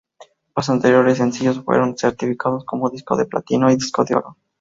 Los anteriores sencillos, fueron certificados como disco de platino y disco de oro.